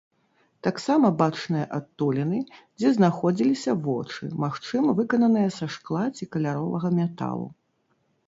Таксама бачныя адтуліны, дзе знаходзіліся вочы, магчыма, выкананыя са шкла ці каляровага металу.